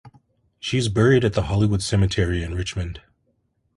She is buried at Hollywood Cemetery in Richmond.